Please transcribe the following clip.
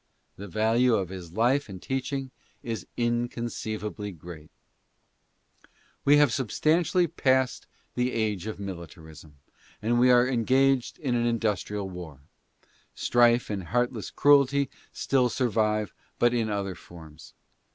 The value of this life and teaching is inconceivably great. We have subst . passed the age :t~ m litaris n a but we are engaged in an industrial war. St:::~e and heartless cruelty still survive, but in other forms.